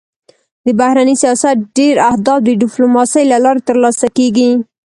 د بهرني سیاست ډېری اهداف د ډيپلوماسی له لارې تر لاسه کېږي.